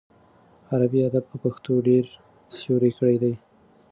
عربي ادب په پښتو ډېر سیوری کړی دی.